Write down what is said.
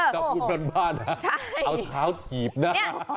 จะเอาผุดบรรบาทนะเอาทาวยิบนะ